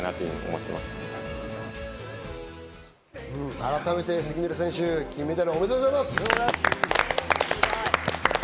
改めて杉村選手、金メダルおめでとうございます。